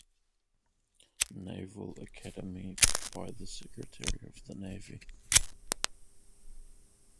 Naval Academy by the Secretary of the Navy.